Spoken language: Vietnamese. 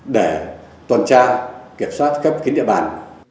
để toàn tra kiểm soát các kính địa bàn